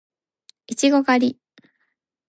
いちご狩り